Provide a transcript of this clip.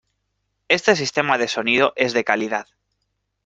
Este sistema de sonido es de calidad.